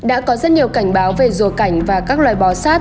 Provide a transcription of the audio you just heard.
đã có rất nhiều cảnh báo về rùa cảnh và các loài bò sát